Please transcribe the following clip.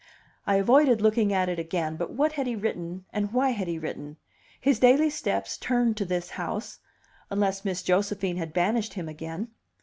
I avoided looking at it again; but what had he written, and why had he written? His daily steps turned to this house unless Miss Josephine had banished him again.